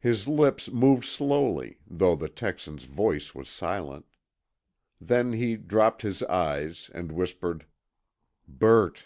His lips moved slowly, though the Texan's voice was silent. Then he dropped his eyes and whispered, "Bert."